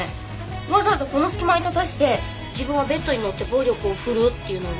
わざわざこの隙間に立たせて自分はベッドに乗って暴力を振るうっていうのは。